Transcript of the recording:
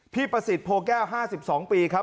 ประสิทธิโพแก้ว๕๒ปีครับ